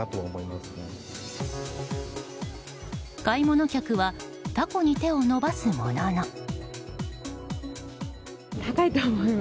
買い物客はタコに手を伸ばすものの。